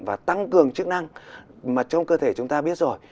và tăng cường chức năng mà trong cơ thể chúng ta biết rồi